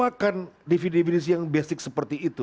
karena kita melupakan definisi definisi yang basic seperti itu